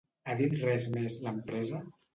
Ha dit res més l'empresa?